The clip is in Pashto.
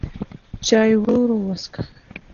چای ورو ورو وڅښه.